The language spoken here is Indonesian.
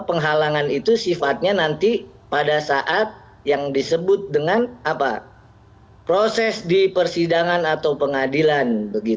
penghalangan itu sifatnya nanti pada saat yang disebut dengan proses di persidangan atau pengadilan